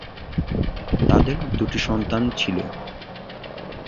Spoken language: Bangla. তাদের দুটি সন্তান ছিল।